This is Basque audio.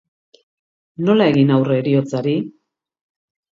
Nola egin aurre heriotzari?